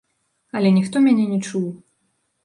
Але ніхто мяне не чуў.